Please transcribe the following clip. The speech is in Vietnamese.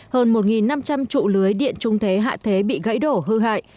hơn một năm trăm linh trụ lưới điện trung thế hạ thế bị gãy đổ hư hại